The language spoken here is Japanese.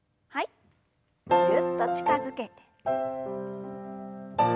ぎゅっと近づけて。